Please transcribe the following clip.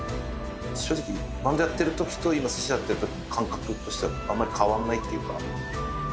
正直バンドやってる時と今鮨やってる時の感覚としてはあんまり変わんないっていうか。